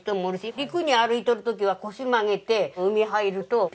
陸に歩いとる時は腰曲げて海入るとピンピンで。